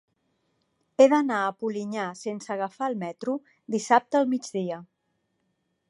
He d'anar a Polinyà sense agafar el metro dissabte al migdia.